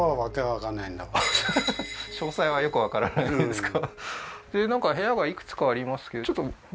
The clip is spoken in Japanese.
詳細はよく分からないんですか